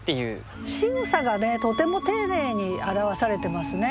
しぐさがねとても丁寧に表されてますね。